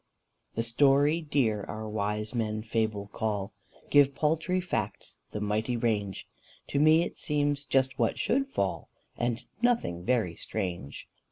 The story dear our wise men fable call, Give paltry facts the mighty range; To me it seems just what should fall, And nothing very strange.